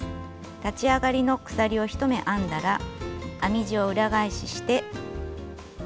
立ち上がりの鎖を１目編んだら編み地を裏返しして。